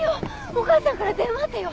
お母さんから電話あったよ。